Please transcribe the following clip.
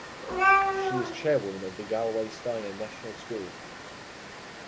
She is chairwoman of the Galway Steiner National School.